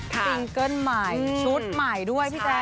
ซิงเกิ้ลใหม่ชุดใหม่ด้วยพี่แจ๊ค